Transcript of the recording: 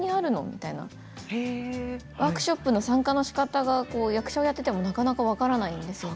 みたいなワークショップの参加のしかたが役者をやっていてもなかなか分からないんですよ。